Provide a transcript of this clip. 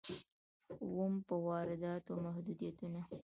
اووم: په وارداتو محدودیتونه.